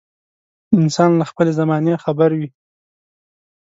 انسان له خپلې زمانې خبر وي.